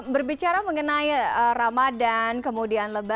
berbicara mengenai ramadan kemudian lebaran